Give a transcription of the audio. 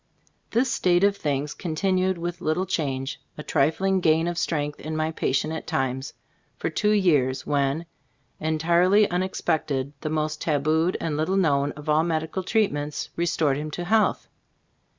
This state of things continued with little change — a trifling gain of strength in my patient at times — for two years, when, entirely unexpected, the most tabooed and little known of all medical treatments, restored him to health.